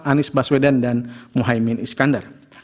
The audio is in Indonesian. anies baswedan dan muhaymin iskandar